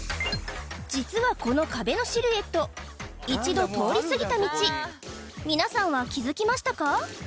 実はこの壁のシルエット一度通り過ぎた道皆さんは気付きましたか？